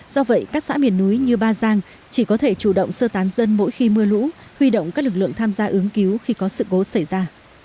do vậy các xã miền núi như ba giang chỉ có thể chủ động sơ tán dân mỗi khi mưa lũ huy động các lực lượng tham gia ứng cứu khi có sự cố xảy ra